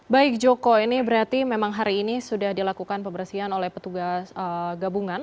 baik joko ini berarti memang hari ini sudah dilakukan pembersihan oleh petugas gabungan